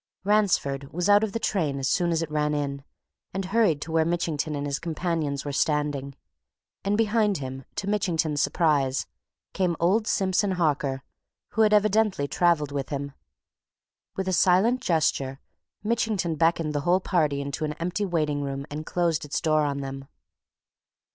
Ransford was out of the train as soon as it ran in, and hurried to where Mitchington and his companions were standing. And behind him, to Mitchington's surprise, came old Simpson Harker, who had evidently travelled with him. With a silent gesture Mitchington beckoned the whole party into an empty waiting room and closed its door on them.